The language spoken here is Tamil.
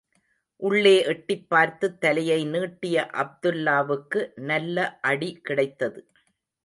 உள்ளே எட்டிப் பார்த்துத் தலையை நீட்டிய அப்துல்லாவுக்கு நல்ல அடி கிடைத்தது.